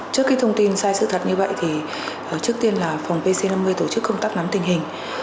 trước cái thông tin sai sự thật như vậy thì trước tiên là phòng pc năm mươi tổ chức công tác nắm tình hình